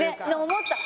思った！